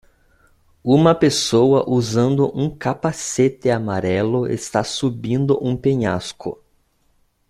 Uma pessoa usando um capacete amarelo está subindo um penhasco